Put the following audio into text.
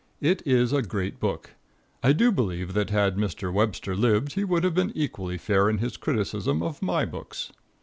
It is a great book. I do believe that had Mr. Webster lived he would have been equally fair in his criticism of my books.